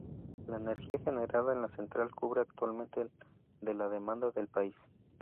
La energía generada en la central cubre actualmente el de la demanda del país.